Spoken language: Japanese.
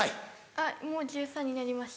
あっもう１３になりました。